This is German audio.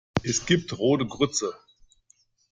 Es gibt rote Grütze.